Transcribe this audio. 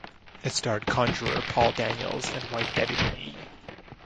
It starred conjuror Paul Daniels and wife Debbie McGee.